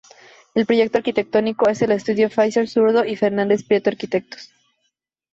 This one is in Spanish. El proyecto arquitectónico es del estudio Pfeifer-Zurdo y Fernández Prieto Arquitectos.